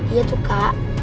iya tuh kak